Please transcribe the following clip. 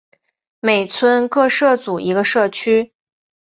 每村各设组一个社区。